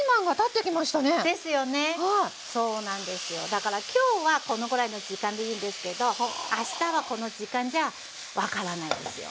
だから今日はこのぐらいの時間でいいんですけどあしたはこの時間じゃ分からないですよね。